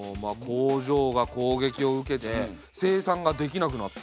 工場がこうげきを受けて生産ができなくなった。